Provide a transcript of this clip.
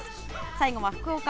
最後は福岡。